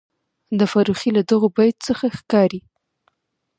د فرخي له دغه بیت څخه ښکاري،